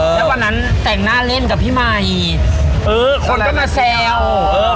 แล้ววันนั้นแต่งหน้าเล่นกับพี่ใหม่เออคนก็มาแซวเออ